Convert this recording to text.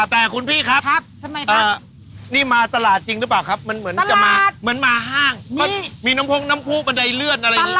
แต่คุณพี่ครับนี่มาตลาดจริงหรือเปล่าครับมันเหมือนจะมาเหมือนมาห้างก็มีน้ำพงน้ำผู้บันไดเลื่อนอะไรอย่างนี้